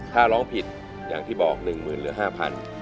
ถ้าร้องผิดอย่างที่บอก๑๐๐๐๐หรือ๕๐๐๐บาท